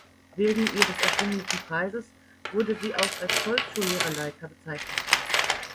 Wegen ihres erschwinglichen Preises wurde sie auch als "Volksschullehrer-Leica" bezeichnet.